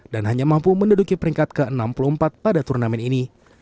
dan hanya mampu menduduki peringkat ke enam puluh empat pada turnamen ini